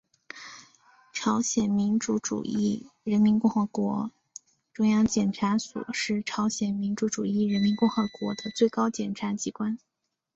朝鲜民主主义人民共和国中央检察所是朝鲜民主主义人民共和国的最高检察机关。